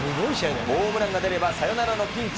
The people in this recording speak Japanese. ホームランが出ればサヨナラのピンチ。